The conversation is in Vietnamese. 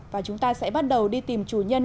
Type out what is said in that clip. và chúng ta sẽ bắt đầu đi tìm chủ nhân